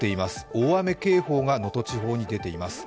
大雨警報が能登地方に出ています。